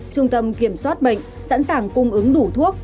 trung tâm kiểm soát bệnh sẵn sàng cung ứng đủ thuốc